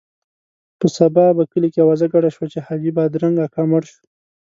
په سبا په کلي کې اوازه ګډه شوه چې حاجي بادرنګ اکا مړ شو.